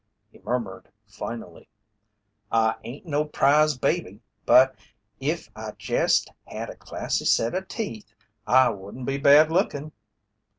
He murmured finally: "I ain't no prize baby, but if I jest had a classy set of teeth I wouldn't be bad lookin'."